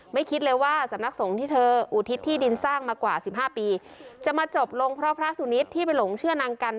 คิดเลยว่าสำนักสงฆ์ที่เธออุทิศที่ดินสร้างมากว่าสิบห้าปีจะมาจบลงเพราะพระสุนิทที่ไปหลงเชื่อนางกัน